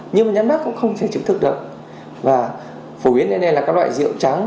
nhưng mà nhãn mát cũng không thể chứng thực được và phổ biến nên đây là các loại rượu trắng